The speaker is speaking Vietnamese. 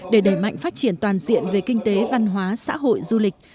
để đẩy mạnh phát triển toàn diện về kinh tế văn hóa xã hội du lịch